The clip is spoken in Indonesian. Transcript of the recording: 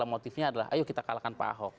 motifnya adalah ayo kita kalahkan pak ahok